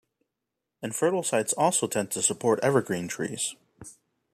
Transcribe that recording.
Infertile sites also tend to support evergreen trees.